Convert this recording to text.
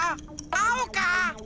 あおか？